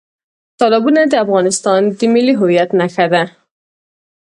تالابونه د افغانستان د ملي هویت نښه ده.